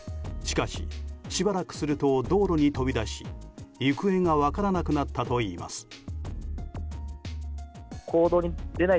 しかし、しばらくすると道路に飛び出し行方が分からなくなったといいます。